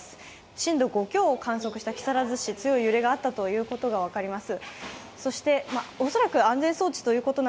震度５強を観測した木更津市強い揺れがあったということが分かります。